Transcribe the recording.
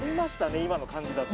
今の感じだと